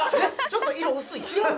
ちょっと色薄い違う？